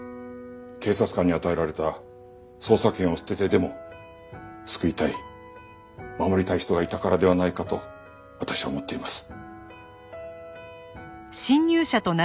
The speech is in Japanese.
警察官に与えられた捜査権を捨ててでも救いたい守りたい人がいたからではないかと私は思っています。